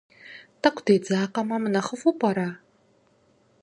ТӀэкӀу дедзакъэмэ мынэхъыфӀу пӀэрэ?